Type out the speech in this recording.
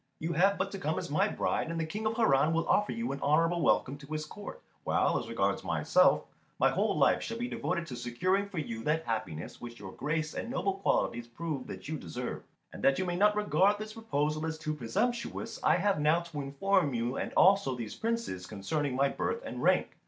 You have but to come as my bride, and the King of Harran will offer you an honourable welcome to his court; while, as regards myself, my whole life shall be devoted to securing for you that happiness which your grace and noble qualities prove that you deserve. And that you may not regard this proposal as too presumptuous, I have now to inform you, and also these Princes, concerning my birth and rank.